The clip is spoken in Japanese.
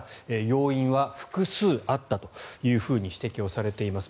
要因は複数あったというふうに指摘されています。